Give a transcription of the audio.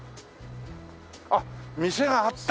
あっ店があった。